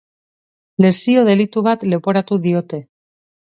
Lesio delitu bat leporatu diote.